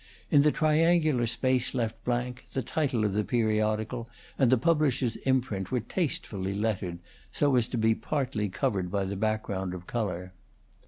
In the triangular space left blank the title of the periodical and the publisher's imprint were tastefully lettered so as to be partly covered by the background of color.